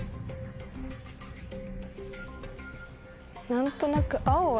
何となく。